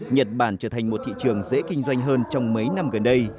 nhật bản trở thành một thị trường dễ kinh doanh hơn trong mấy năm gần đây